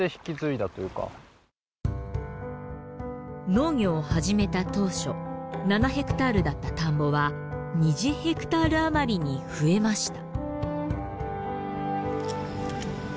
農業を始めた当初７ヘクタールだった田んぼは２０ヘクタール余りに増えました。